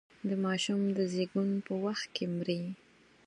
د ماشوم د زېږون په وخت کې مري.